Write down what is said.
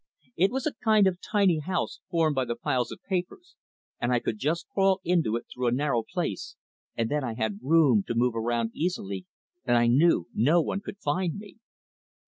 It was a kind of tiny house formed by the piles of papers and I could just crawl into it through a narrow place, and then I had room to move around easily, and I knew no one could find me.